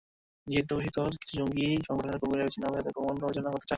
নিষিদ্ধঘোষিত কিছু জঙ্গি সংগঠনের কর্মীরা বিচ্ছিন্নভাবে তাদের কর্মকাণ্ড পরিচালনা করতে চায়।